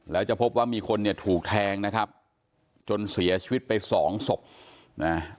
แล้วจะพบว่ามีคนเนี่ยถูกแทงนะครับจนเสียชีวิตไปสองศพนะ